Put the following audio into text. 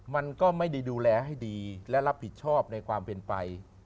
มันก็ไม่ได้ดูแลให้ดีและรับผิดชอบในความเป็นไป